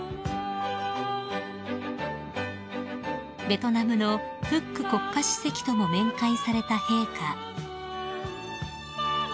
［ベトナムのフック国家主席とも面会された陛下］